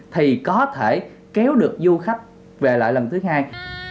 thì có thể kéo được du khách về lại lần thứ hai